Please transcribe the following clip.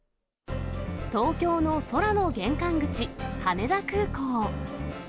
東京の空の玄関口、羽田空港。